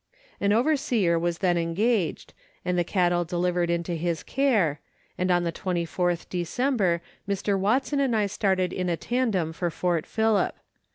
An overseer was then engaged, and the cattle delivered into his care, and on the 24th December Mr. Watson and I started in a tandem for Port Phillip.